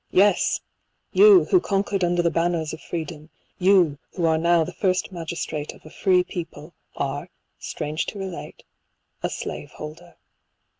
— Yes ! you, who conquered under the banners of freedom ;— you, who are now the first magistrate of a free people, are (strange to relate) a slave holder.